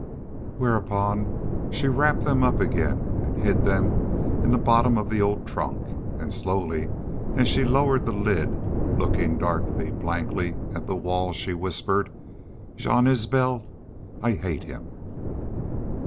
Whereupon she wrapped them up again and hid them in the bottom of the old trunk, and slowly, as she lowered the lid, looking darkly, blankly at the wall, she whispered: "Jean Isbel! ... I hate him!"